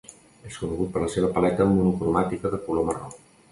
És conegut per la seva paleta monocromàtica de color marró.